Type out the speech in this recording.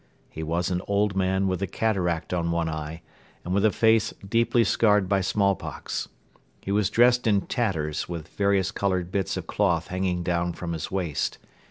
He was an old man with a cataract on one eye and with a face deeply scarred by smallpox. He was dressed in tatters with various colored bits of cloth hanging down from his waist.